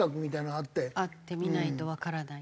会ってみないとわからない。